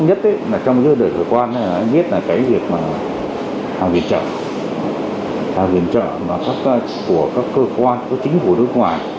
thứ nhất là trong giữa đời cơ quan biết là cái việc mà hạ viện trợ hạ viện trợ của các cơ quan của chính phủ nước ngoài